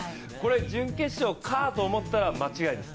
準決勝かと思ったら間違いです。